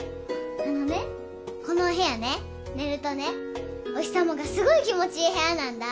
あのねこのお部屋ね寝るとねお日さまがすごい気持ちいい部屋なんだ。